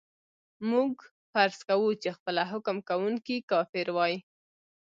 موږ فرض کوو چې خپله حکم کوونکی کافر وای.